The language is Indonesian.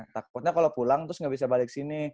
takutnya kalau pulang terus nggak bisa balik sini